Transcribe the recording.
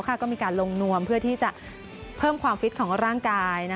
ก็มีการลงนวมเพื่อที่จะเพิ่มความฟิตของร่างกาย